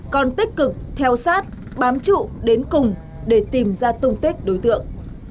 còn tích cực theo sát bám trụ đến cùng để tìm ra tung tích đối tượng